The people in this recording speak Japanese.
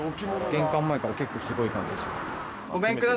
玄関前から結構スゴい感じですね。